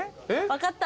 分かった？